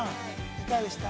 いかがでしたか。